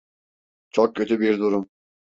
Çok kötü bir durum.